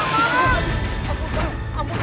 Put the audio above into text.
ambil pak ambil